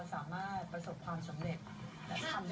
ข้อมูลเข้ามาดูครับ